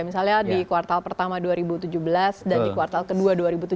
misalnya di kuartal pertama dua ribu tujuh belas dan di kuartal ke dua dua ribu tujuh belas